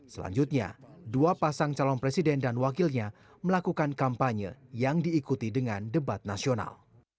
selanjutnya dua pasang calon presiden dan wakilnya melakukan kampanye yang diikuti dengan debat nasional